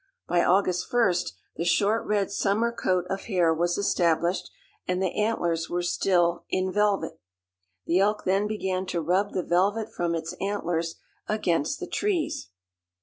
By August 1st the short red summer coat of hair was established, and the antlers were still "in velvet," The elk then began to rub the velvet from its antlers against the trees.